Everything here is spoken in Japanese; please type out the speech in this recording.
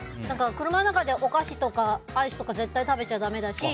車の中でお菓子とかアイスとか絶対食べちゃだめだし。